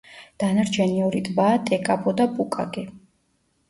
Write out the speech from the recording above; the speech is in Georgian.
დანარჩენი ორი ტბაა ტეკაპო და პუკაკი.